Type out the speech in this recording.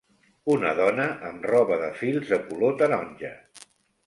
Una dona amb roba de fils de color taronja.